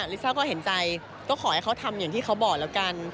ลิซ่าก็เห็นใจก็ขอให้เขาทำอย่างที่เขาบอกแล้วกัน